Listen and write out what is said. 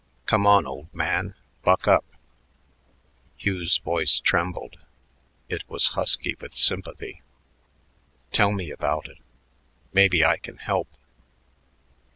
"Come on, old man; buck up." Hugh's voice trembled; it was husky with sympathy. "Tell me about it. Maybe I can help."